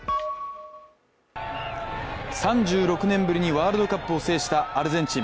３６年ぶりにワールドカップを制したアルゼンチン。